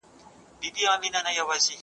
زه اجازه لرم چي بوټونه پاک کړم.